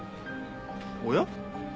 おや？